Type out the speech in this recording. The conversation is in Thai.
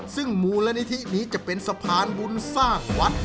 ซึ่งมูลนิธินี้จะเป็นสะพานบุญสร้างวัด